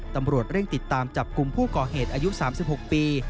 ตำรวจเร่งติดตามจับกลุ่มผู้ก่อเหตุอายุ๓๖ปี